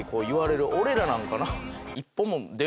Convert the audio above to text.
俺らなんかな。